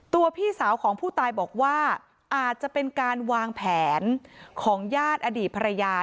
พี่สาวของผู้ตายบอกว่าอาจจะเป็นการวางแผนของญาติอดีตภรรยา